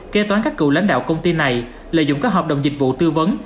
kế toán các cựu lãnh đạo công ty này lợi dụng các hợp đồng dịch vụ tư vấn